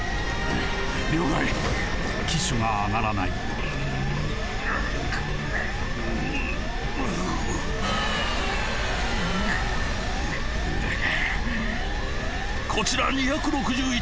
了解機首が上がらないこちら２６１